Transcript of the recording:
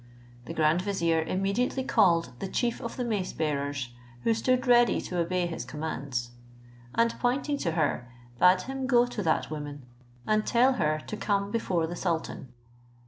The grand vizier immediately called the chief of the mace bearers who stood ready to obey his commands; and pointing to her, bade him go to that woman, and tell her to come before the sultan.